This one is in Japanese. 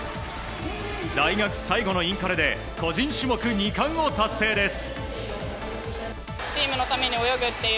大学最後のインカレで個人種目２冠を達成です。